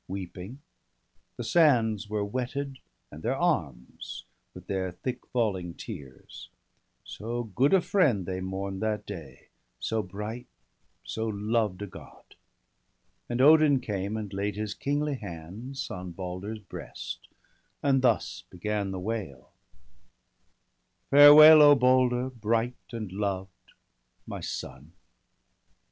Weeping ; the sands were wetted, and their arms. With their thick falling tears — so good a friend They mourn'd that day, so bright, so loved a God. And Odin came, and laid his kingly hands 1 68 BALDER DEAD. On Balder's breast, and thus began the wail: — 'Farewell, O Balder, bright and loved, my son!